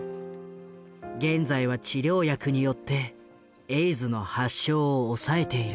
現在は治療薬によってエイズの発症を抑えている。